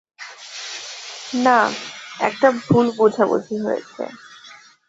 না, একটা ভুল বোঝাবুঝি হয়েছে।